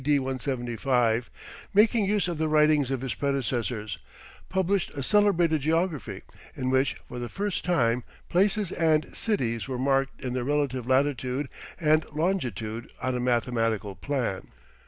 D. 175, making use of the writings of his predecessors, published a celebrated geography, in which, for the first time, places and cities were marked in their relative latitude and longitude on a mathematical plan.